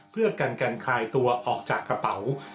เพื่อกันกันคลายตัวออกจากกระเป๋า